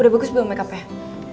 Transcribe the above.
udah bagus belum makeup nya